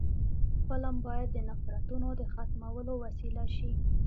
فلم باید د نفرتونو د ختمولو وسیله شي